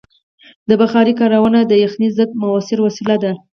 د بخارۍ کارونه د یخنۍ ضد مؤثره وسیله ده.